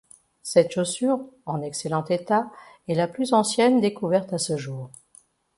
Cette chaussure, en excellent état est la plus ancienne découverte à ce jour.